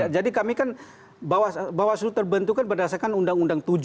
jadi kami kan bawaslu terbentuk kan berdasarkan undang undang tujuh